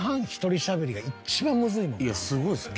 いやすごいですよ。